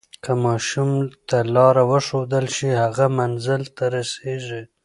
که ماشوم ته لاره وښودل شي، هغه منزل ته رسیږي.